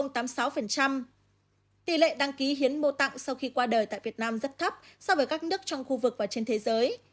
tỷ lệ đăng ký hiến mô tạng sau khi qua đời tại việt nam rất thấp so với các nước trong khu vực và trên thế giới